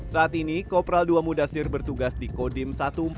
saat ini kopral ii mudasir bertugas di kodim seribu empat ratus lima